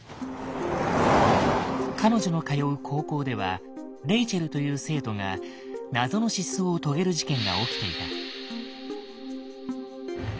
彼女の通う高校ではレイチェルという生徒が謎の失踪を遂げる事件が起きていた。